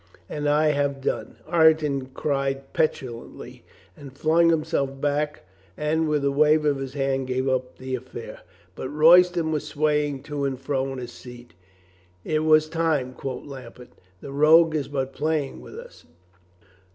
"And I have done!" Ireton cried petulantly, and flung himself back and with a wave of his hand gave up the affair. But Royston was swaying to and fro in his seat. "It was time," quoth Lambert. "The rogue is but playing with us."